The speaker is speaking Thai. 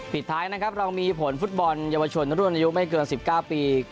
ปิดท้ายนะครับเรามีผลฟุตบอลเยาวชนรุ่นอายุไม่เกิน๑๙ปี